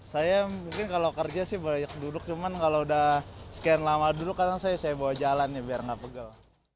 saya mungkin kalau kerja sih banyak duduk cuman kalau udah sekian lama dulu kadang saya bawa jalan ya biar nggak pegel